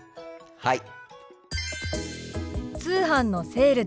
はい。